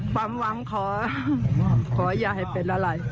ความหวังขออย่าให้เป็นอะไร